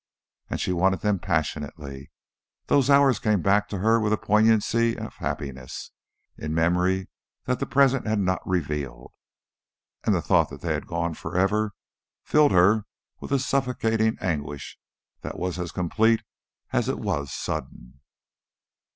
And she wanted them passionately; those hours came back to her with a poignancy of happiness in memory that the present had not revealed, and the thought that they had gone for ever filled her with a suffocating anguish that was as complete as it was sudden.